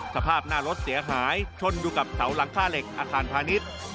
สภาพหน้ารถเสียหายชนอยู่กับเสาหลังค่าเหล็กอาคารพาณิชย์